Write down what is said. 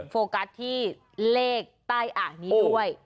โฟกัสที่เลขใต้อ่างนี้ด้วย